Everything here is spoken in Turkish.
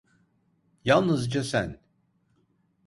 Yalnızca sen.